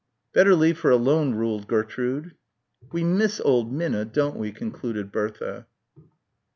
"Better leave her alone," ruled Gertrude. "We miss old Minna, don't we?" concluded Bertha.